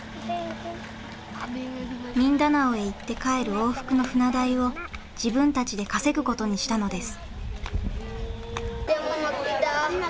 ミンダナオへ行って帰る往復の船代を自分たちで稼ぐことにしたのです。